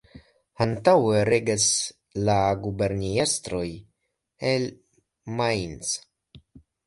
Antaŭe regas la guberniestroj el Mainz.